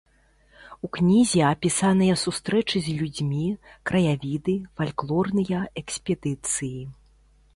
У кнізе апісаныя сустрэчы з людзьмі, краявіды, фальклорныя экспедыцыі.